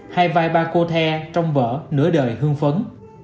hai vai ba cô the trong vở nửa đời hương phấn